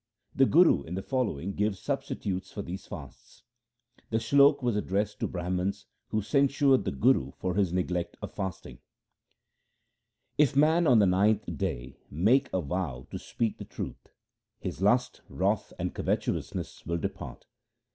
The Guru in the following gives substitutes for these fasts. The slok was addressed to Brahmans who censured the Guru for his neglect of fasting :— If man on the ninth day make a vow to speak the truth, His lust, wrath, and covetousness will depart.